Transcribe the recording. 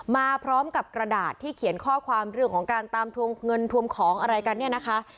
มาพร้อมกับกระดาษที่เขียนข้อความเรื่องของการตามทวงเงินทวงของอะไรกันเนี่ยนะคะ